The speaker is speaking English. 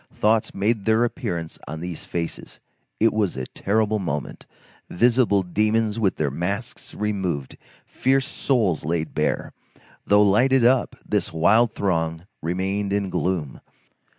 Thoughts made their appearance on these faces; it was a terrible moment; visible demons with their masks removed, fierce souls laid bare. Though lighted up, this wild throng remained in gloom.